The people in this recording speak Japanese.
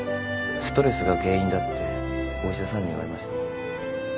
ストレスが原因だってお医者さんに言われました。